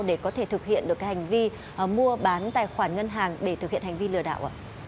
để có thể thực hiện được hành vi mua bán tài khoản ngân hàng để thực hiện hành vi lừa đảo ạ